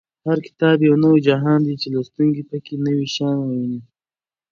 هر کتاب یو نوی جهان دی چې لوستونکی په کې نوي شیان ویني.